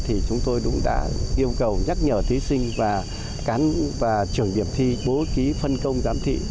thì chúng tôi cũng đã yêu cầu nhắc nhở thí sinh và trường điểm thi bố trí phân công giám thị